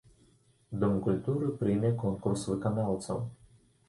Дом культуры прыме конкурс выканаўцаў.